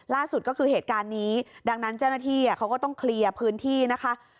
ล่าสุดก็คือเหตุการณ์นี้ดังนั้นเจ้าหน้าที่เขาก็ต้องเคลียร์พื้นที่นะคะ